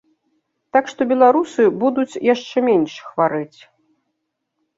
Так што беларусы будуць яшчэ менш хварэць.